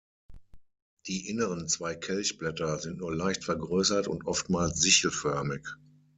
Die inneren zwei Kelchblätter sind nur leicht vergrößert und oftmals sichelförmig.